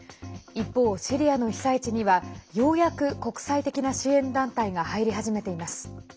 一方、シリアの被災地にはようやく、国際的な支援団体が入り始めています。